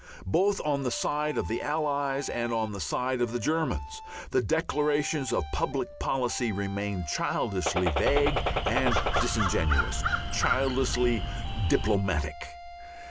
Both on the side of the Allies and on the side of the Germans the declarations of public policy remain childishly vague and disingenuous, childishly "diplomatic."